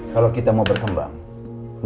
kalau kita mau berkembang